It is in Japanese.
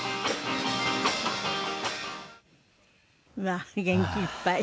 まあ元気いっぱい。